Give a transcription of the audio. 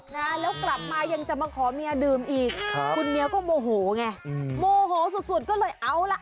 นะแล้วกลับมายังจะมาขอเมียดื่มอีกครับคุณเมียก็โมโหไงโมโหสุดสุดก็เลยเอาล่ะ